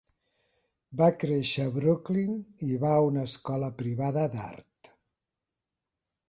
Va créixer a Brooklyn i va a una escola privada d'art.